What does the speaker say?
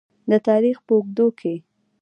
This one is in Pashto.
د تاریخ په اوږدو کې.